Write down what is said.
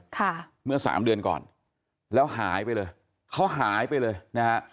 ค่ะเมื่อสามเดือนก่อนแล้วหายไปเลยเขาหายไปเลยนะฮะ